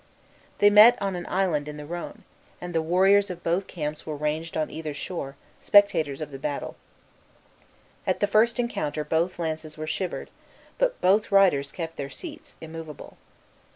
They met on an island in the Rhone, and the warriors of both camps were ranged on either shore, spectators of the battle. At the first encounter both lances were shivered, but both riders kept their seats, immovable.